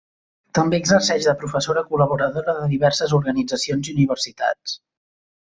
També exerceix de professora col·laboradora de diverses organitzacions i universitats.